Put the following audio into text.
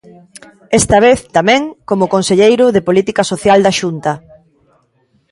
Esta vez, tamén, como Conselleiro de Política Social da Xunta.